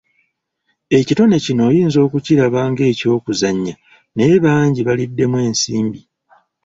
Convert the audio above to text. Ekitone kino oyinza okukiraba ng'eky'okuzannya naye bangi baliddemu ensimbi!